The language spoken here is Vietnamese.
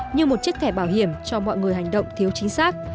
như một chiếc thẻ bảo hiểm cho mọi người hành động thiếu chính xác